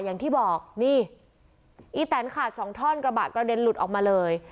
อย่างที่บอกนี่อีแตนขาดสองท่อนกระบะกระเด็นหลุดออกมาเลย